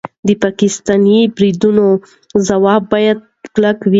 د پاکستاني بریدونو ځواب باید کلک وي.